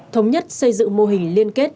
thống nhất xây dựng mô hình liên kết